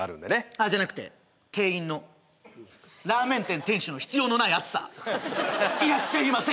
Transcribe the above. あじゃなくて店員のラーメン店店主の必要のないあつさいらっしゃいませ！